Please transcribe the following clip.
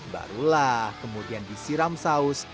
barulah kemudian disiram saus